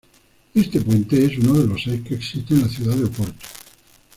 Este puente es uno de los seis que existentes en la ciudad de Oporto.